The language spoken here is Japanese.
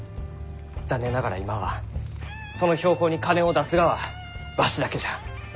残念ながら今はその標本に金を出すがはわしだけじゃ。